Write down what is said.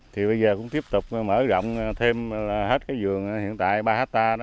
thì bây giờ cũng tiếp tục mở rộng thêm hết cái vườn hiện tại ba hectare đó